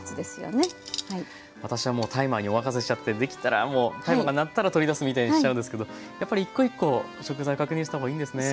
私はもうタイマーにお任せしちゃってできたらもうタイマーが鳴ったら取り出すみたいにしちゃうんですけどやっぱり１コ１コ食材を確認した方がいいんですね。